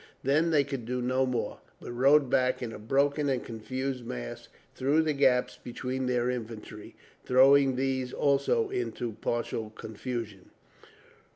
Then they could do no more, but rode back in a broken and confused mass through the gaps between their infantry, throwing these also into partial confusion.